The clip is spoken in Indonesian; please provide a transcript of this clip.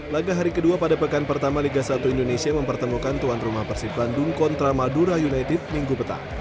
laga hari kedua pada pekan pertama liga satu indonesia mempertemukan tuan rumah persib bandung kontra madura united minggu petang